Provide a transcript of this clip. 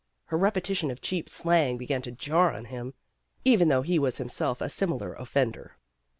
Her repetition of cheap slang began to jar on him, even though he was himself a similar offender.